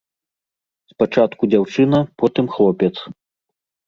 Спачатку дзяўчына, потым хлопец.